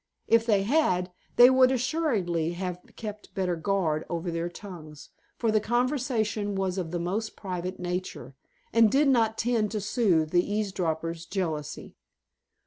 If they had, they would assuredly have kept better guard over their tongues, for the conversation was of the most private nature, and did not tend to soothe the eavesdropper's jealousy.